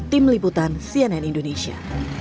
tim liputan cnn indonesia